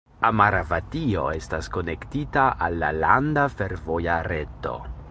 Amaravatio estas konektita al la landa fervoja reto.